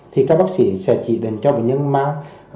thì các bác sĩ sẽ chỉ định cho bệnh nhân máu